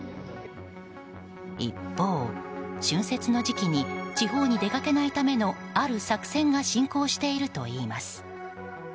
一方、春節の時期に地方に出かけないためのある作戦が進行しているといいます。